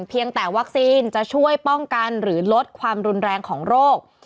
เพียงแต่วัคซีนจะช่วยป้องกันหรือลดความรุนแรงของโรค